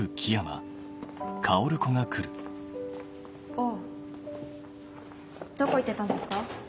あっどこ行ってたんですか？